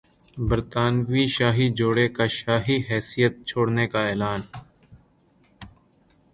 برطانوی شاہی جوڑے کا شاہی حیثیت چھوڑنے کا اعلان